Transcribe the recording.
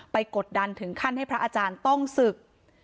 กดดันถึงขั้นให้พระอาจารย์ต้องศึก